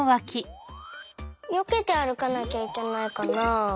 よけて歩かなきゃいけないかな？